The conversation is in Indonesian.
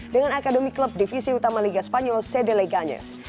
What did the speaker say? dengan akademi klub divisi utama liga spanyol cd leganes